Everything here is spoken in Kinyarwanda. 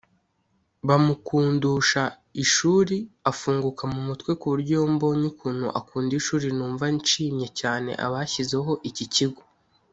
bamukundusha ishuri afunguka mu mutwe ku buryo iyo mbonye ukuntu akunda ishuri numva nshimye cyane abashyizeho iki kigo”